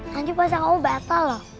nanti puasa kamu batal lho